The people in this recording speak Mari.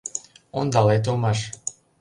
Ондалет улмаш!..